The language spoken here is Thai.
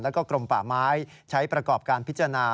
และกรมป่าม้ายใช้ประกอบการพิจารณา